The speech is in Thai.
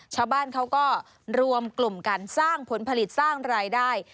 ชาวบ้านเขาก็รวมกลุ่มกันสร้างผลผลิตสร้างรายได้